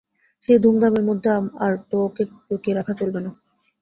সেই ধূমধামের মধ্যে আর তো ওকে লুকিয়ে রাখা চলবে না।